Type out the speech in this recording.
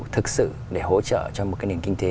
thực sự để hỗ trợ cho một cái nền kinh tế